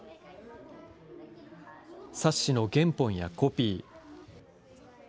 冊子の原本やコピー。